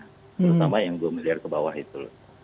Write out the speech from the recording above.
terutama yang dua miliar ke bawah itu